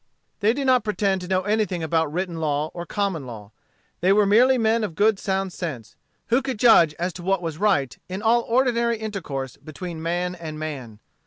They did not pretend to know anything about written law or common law. They were merely men of good sound sense, who could judge as to what was right in all ordinary intercourse between man and man.